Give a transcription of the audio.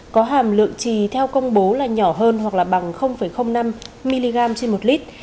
có hàm lượng trì theo công bố là nhỏ hơn hoặc là bằng năm mg trên một lít